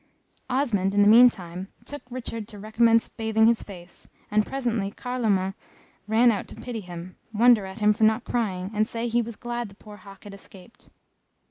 Osmond, in the meantime, took Richard to re commence bathing his face, and presently Carloman ran out to pity him, wonder at him for not crying, and say he was glad the poor hawk had escaped.